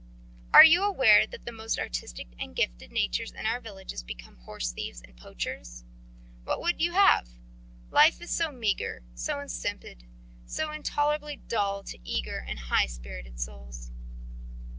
Are you aware that the most artistic and gifted natures in our villages become horse thieves and poachers? What would you have? Life is so meagre, so insipid, so intolerably dull to eager and high spirited souls!